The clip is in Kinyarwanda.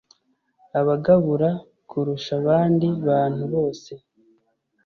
Abagabura, kurusha abandi bantu bose